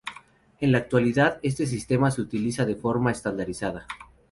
En la actualidad este sistema se utiliza de forma estandarizada.